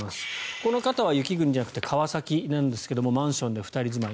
この方は雪国じゃなくて川崎なんですがマンションで２人住まい。